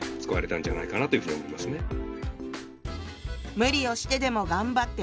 「無理をしてでも頑張って学び